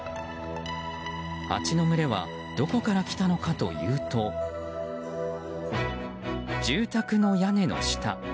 ハチの群れはどこから来たのかというと住宅の屋根の下。